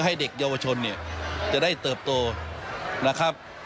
ให้เด็กเยาวชนอะไรเหรอจะได้เติบโตนะครับ